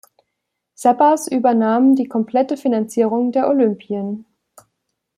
Zappas übernahm die komplette Finanzierung der Olympien.